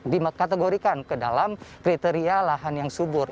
dikategorikan ke dalam kriteria lahan yang subur